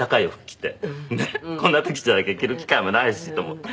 こんな時じゃなきゃ着る機会もないしと思って。